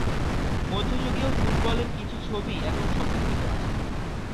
মধ্যযুগীয় ফুটবলের কিছু ছবি এখন সংরক্ষিত আছে।